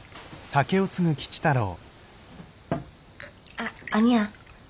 あっ兄やん。